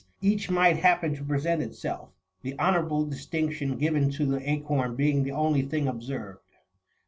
each might happen to present itself, the honourable distinction given to the acorn being the only thing observed.